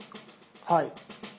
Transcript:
はい。